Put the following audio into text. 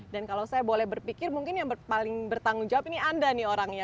dan kalau saya boleh berpikir mungkin yang paling bertanggung jawab ini anda nih orangnya